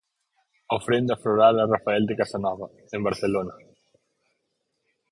Ofrenda floral a Rafael de Casanova, en Barcelona.